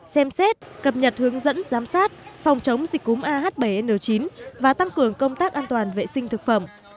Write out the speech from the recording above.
xem xét cập nhật hướng dẫn giám sát phòng chống dịch cúm ah bảy n chín và tăng cường công tác an toàn vệ sinh thực phẩm